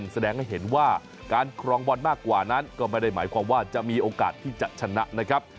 แสดงให้เห็นว่าการครองบอลมากกว่านั้นก็ไม่ได้หมายความว่าจะมีโอกาสที่จะชนะนะครับ